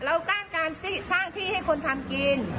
สร้างการสร้างที่ให้คนทำกิน